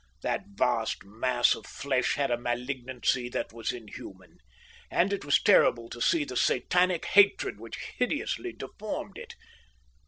That vast mass of flesh had a malignancy that was inhuman, and it was terrible to see the satanic hatred which hideously deformed it.